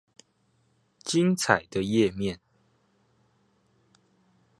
精彩的頁面